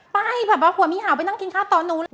ไปแบบว่าหัวมีหาวไปนั่งกินข้าวตอนนู้น